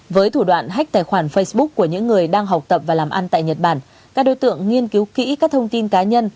với thủ đoạn hách tài khoản facebook của những người đang học tập và làm ăn tại nhật bản các đối tượng nghiên cứu kỹ các thông tin cá nhân